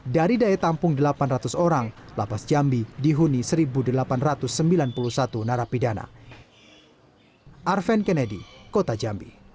dari daya tampung delapan ratus orang lapas jambi dihuni satu delapan ratus sembilan puluh satu narapidana